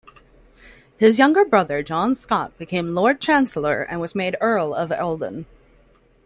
His younger brother John Scott became Lord Chancellor and was made Earl of Eldon.